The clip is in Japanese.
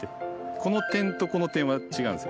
この点と、この点は違うんですよ。